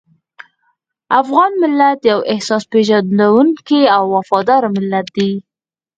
افغان ملت یو احسان پېژندونکی او وفاداره ملت دی.